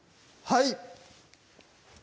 はい！